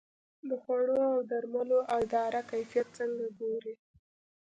د خوړو او درملو اداره کیفیت څنګه ګوري؟